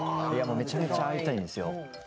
もうめちゃめちゃ会いたいんですよ。